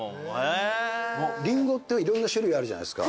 リンゴっていろんな種類あるじゃないですか。